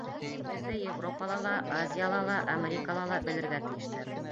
Беҙҙе Европала ла, Азияла ла, Америкала ла белергә тейештәр.